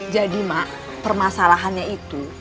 jadi mak permasalahannya itu